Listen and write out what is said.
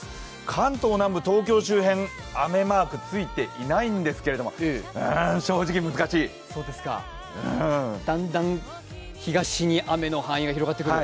関東南部、東京周辺、雨マークついていないんですけども、だんだん東に雨の範囲が広がってくる。